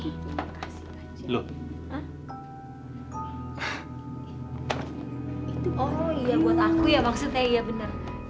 oh iya buat aku ya maksudnya iya bener